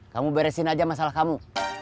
kamu beresin aja masalah kamu